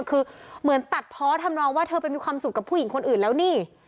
คือเหมือนตัดเพาะทำนองว่าเธอไปมีความสุขกับผู้หญิงคนอื่นแล้วนี่